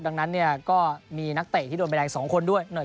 ดังนั้นก็มีนักเตะที่โดนใบแดง๒คนด้วย